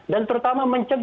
dan terutama mencegah